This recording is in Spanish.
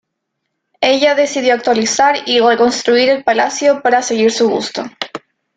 Ella decidió actualizar y reconstruir el palacio para seguir su gusto.